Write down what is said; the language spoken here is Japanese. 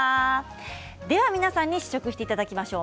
では皆さんに試食していただきましょう。